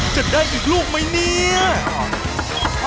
จะได้อีกลูกไหมเนี่ย